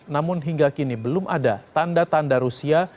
namun hingga kini belum ada tanda tanda rusia